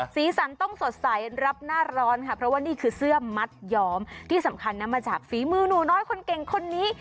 สีสันต้องสดใสรับหน้าร้อนค่ะเพราะว่านี่คือเสื้อมัดยอมที่สำคัญนะมาจากฝีมือหนูน้อยคนเก่งคนนี้